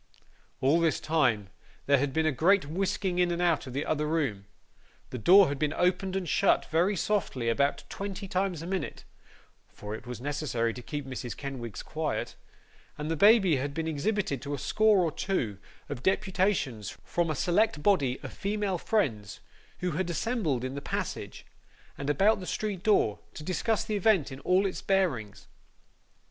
All this time there had been a great whisking in and out of the other room; the door had been opened and shut very softly about twenty times a minute (for it was necessary to keep Mrs. Kenwigs quiet); and the baby had been exhibited to a score or two of deputations from a select body of female friends, who had assembled in the passage, and about the street door, to discuss the event in all its bearings.